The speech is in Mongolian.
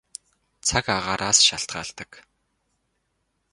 Цаг агаараас шалтгаалдаг.